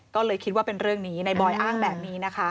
ก็เลยคิดว่าเป็นเรื่องนี้นายบอยอ้างแบบนี้นะคะ